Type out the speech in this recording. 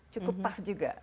cukup tough juga